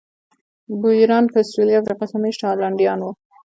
بویران په سوېلي افریقا کې مېشت هالنډیان وو.